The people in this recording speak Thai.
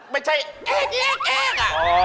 ไม่ใช่แอ๊กแอ๊ก